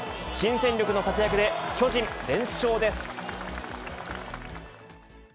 新戦力の活躍で、巨人、連勝です。